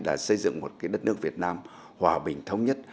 là xây dựng một cái đất nước việt nam hòa bình thống nhất